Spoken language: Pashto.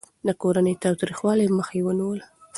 د کورني تاوتريخوالي مخه يې نيوله.